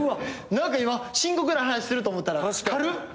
何か今深刻な話すると思ったら軽っ！